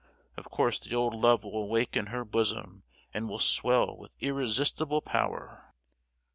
Of course the old love will awake in her bosom and will swell with irresistible power!"